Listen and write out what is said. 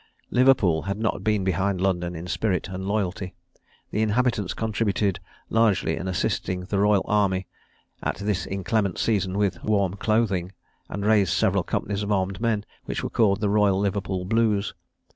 Liverpool had not been behind London in spirit and loyalty. The inhabitants contributed largely in assisting the royal army, at this inclement season, with warm clothing, and raised several companies of armed men, which were called the Royal Liverpool Blues.